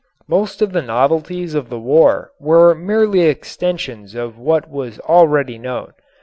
Most of the novelties of the war were merely extensions of what was already known.